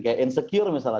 kayak insecure misalnya